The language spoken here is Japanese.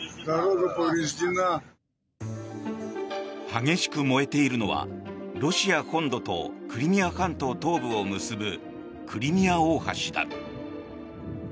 激しく燃えているのはロシア本土とクリミア半島東部を結ぶクリミア大橋だ。